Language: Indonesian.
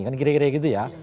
kan kira kira gitu ya